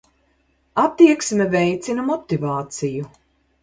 Attieksmes veicina motivāciju.